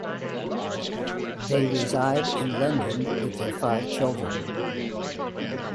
They reside in London with their five children.